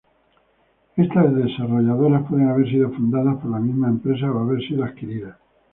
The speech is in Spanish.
Estas desarrolladoras pueden haber sido fundadas por la misma empresa o haber sido adquiridas.